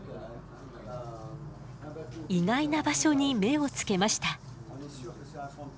意外な場所に目をつけました。